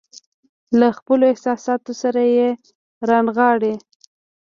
له خپلو احساساتو سره يې رانغاړي.